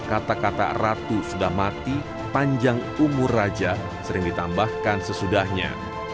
kata kata ratu sudah mati panjang umur raja sering ditambahkan sesudahnya